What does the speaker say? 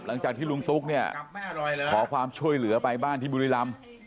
หลังจากที่ลุงตุ๊กเนี่ยขอความช่วยเหลือไปบ้านที่บุรีรำ